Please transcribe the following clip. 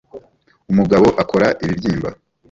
Umugabo akora ibibyimba